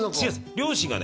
両親がね